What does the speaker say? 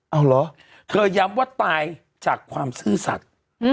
เอาเหรอเธอย้ำว่าตายจากความซื่อสัตว์